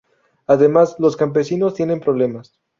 Además, los campesinos tienen problemas.